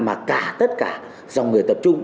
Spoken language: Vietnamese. mà cả tất cả dòng người tập trung